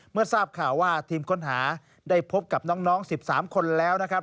เมื่อทราบข่าวว่าทีมค้นหาได้พบกับน้อง๑๓คนแล้วนะครับ